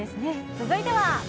続いては。